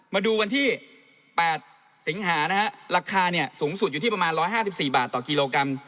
มาดูกันที่แปดสิงหานะฮะราคาเนี่ยสูงสุดอยู่ที่ประมาณร้อยห้าสิบสี่บาทต่อกิโลกรัม